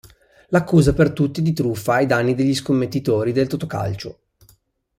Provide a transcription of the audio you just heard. L'accusa per tutti è di truffa ai danni degli scommettitori del Totocalcio.